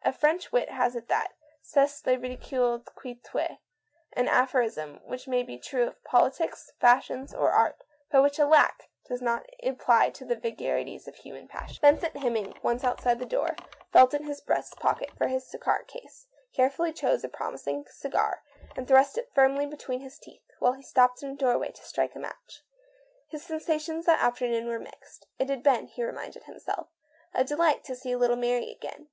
A French wit has it that " (Test le ridicule qui tue "— an aphorism which may be true of politics, fashions, or art, but which, alack ! does not apply to the vaga ries of human passion. Vincent Hemming, once outside the door, felt in his breast pocket for his cigar case, carefully chose a promising cigar, and thrust it firmly between his teeth while he stopped in a doorway to strike a match. His sensa tions that afternoon were mixed. It had been, he reminded himself, delightful to see little Mary again.